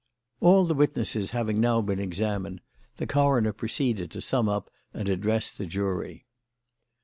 All the witnesses having now been examined, the coroner proceeded to sum up and address the jury.